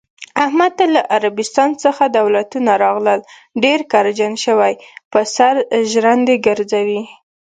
احمد ته له عربستان څخه دولتونه راغلل، ډېر کبرجن شوی، په سر ژرندې ګرځوی.